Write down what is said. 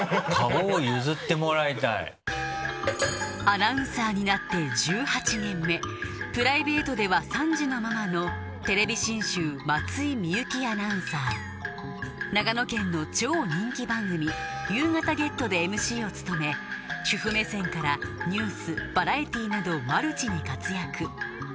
アナウンサーになって１８年目プライベートでは３児のママの長野県の超人気番組「ゆうがたＧｅｔ！」でＭＣを務め主婦目線からニュースバラエティーなどマルチに活躍